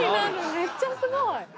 めっちゃすごい。